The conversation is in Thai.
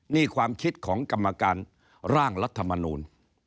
นี่ความคิดของกรรมการร่างรัฐมนูล